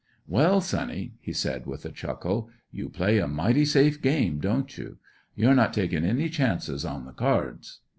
"Well, sonny," he said, with a chuckle; "you play a mighty safe game, don't you? You're not takin' any chances on the cards.